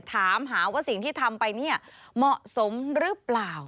ถามหาว่าสิ่งที่ทำไปสมหรือเปล่า